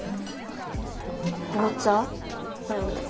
紅茶だよね？